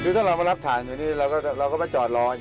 ถือเรามารับถ่านเราก็ไปจอดรอ